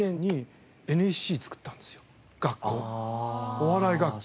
お笑い学校。